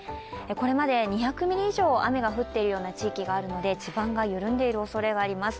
これまで２００ミリ以上雨が降っている地域があるので、地盤が緩んでいるおそれがあります。